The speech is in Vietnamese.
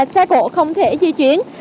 xe cổ không thể di chuyển